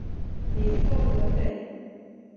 Vi är stolta över dig.